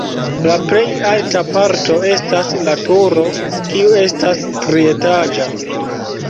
La plej alta parto estas la turo, kiu estas trietaĝa.